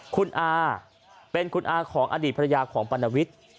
คุณอาเป็นคุณอาของอดีตภรรยาของปรณวิทย์